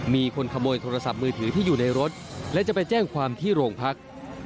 มีคนขโมยโทรศัพท์มือถือที่อยู่ในรถและจะไปแจ้งความที่โรงพัก